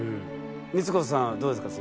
光子さんはどうですか？